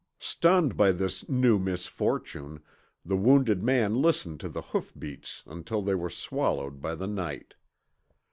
Stunned by this new misfortune, the wounded man listened to the hoofbeats until they were swallowed by the night.